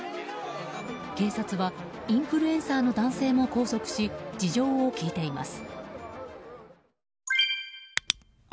警察はインフルエンサーの男性も拘束し事情を聴いています。